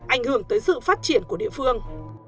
ảnh hưởng tới sự phát triển của địa phương